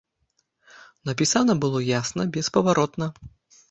Напісана было ясна, беспаваротна.